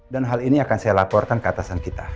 dan hal ini akan saya laporkan ke atasan kita